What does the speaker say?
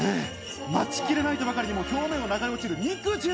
待ちきれないとばかりに表面を流れ落ちる肉汁。